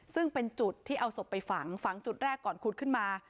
ซึ่งเป็นจุดที่เอาศพไปฝังฝังจุดแรกก่อนขุดขึ้นมา